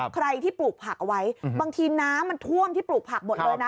ใครที่ปลูกผักเอาไว้บางทีน้ำมันท่วมที่ปลูกผักหมดเลยนะ